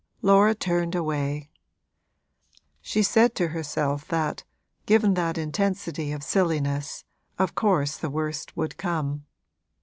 Laura turned away: she said to herself that, given that intensity of silliness, of course the worst would come.